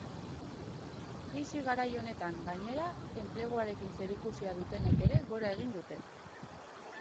Krisi garai honetan, gainera, enpleguarekin zerikusia dutenek ere gora egin dute.